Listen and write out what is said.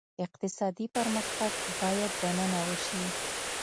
اقتصادي پرمختګ باید دننه وشي.